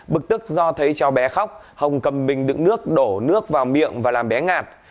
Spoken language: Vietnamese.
bực tức do thấy cháu bé khóc hồng cầm bình đựng nước đổ nước vào miệng và làm bé ngạt